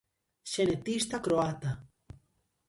Xenetista croata.